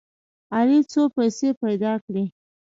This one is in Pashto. علي څو پیسې پیدا کړې.